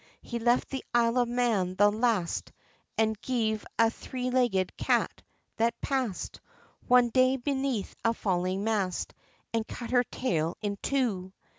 He left the Isle of Man the last, an' gev a three legged cat that passed One day, beneath a fallin' mast, an' cut her tail in two!